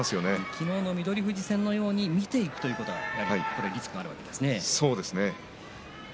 昨日の翠富士戦のように見ていくとリスクがあるわけですね。